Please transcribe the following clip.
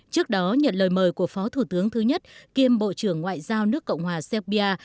trước đó nhận lời mời của phó thủ tướng thứ nhất kiêm bộ trưởng ngoại giao nước cộng hòa serbia